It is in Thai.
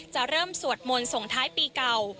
จะเริ่มสวดมนต์ส่งท้ายปีเก่า